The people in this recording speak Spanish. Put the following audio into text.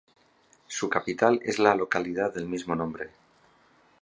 Su capital es la localidad del mismo nombre.